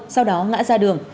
sau đó ngã ra đường